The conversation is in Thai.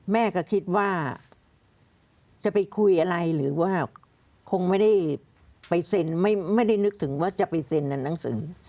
แม่ก็คิดว่าจะไปคุยอะไรหรือว่าคงไม่ได้ไปเซ็นไม่ได้นึกถึงว่าจะไปเซ็นในหนังสือ